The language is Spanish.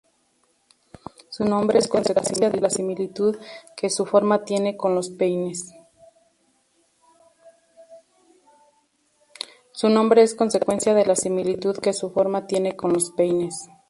Su nombre es consecuencia de la similitud que su forma tiene con los peines.